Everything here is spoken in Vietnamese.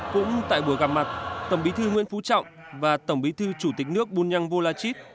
cũng tại buổi gặp mặt tổng bí thư nguyễn phú trọng và tổng bí thư chủ tịch nước bunyang volachit